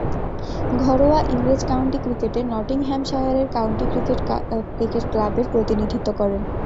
ঘরোয়া ইংরেজ কাউন্টি ক্রিকেটে নটিংহ্যামশায়ারের কাউন্টি ক্রিকেট ক্লাবের প্রতিনিধিত্ব করেন।